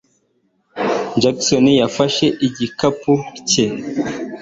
Jackson yafashe igikapu cye.